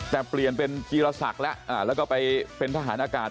แต่เปลี่ยนเป็นจีรศักดิ์แล้วแล้วก็ไปเป็นทหารอากาศ